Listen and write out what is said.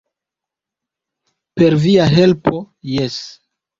Per via helpo jes!